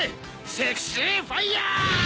セクシーファイヤー！